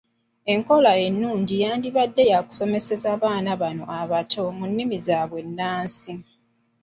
Enkola ennungi yandibadde ya kusomeseza abaana bano abato mu nnimi zaabwe ennansi.